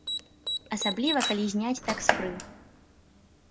Асабліва калі зняць такс-фры.